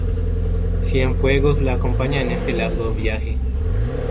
Cienfuegos la acompaña en este largo viaje.